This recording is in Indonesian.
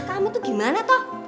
kamu tuh gimana toh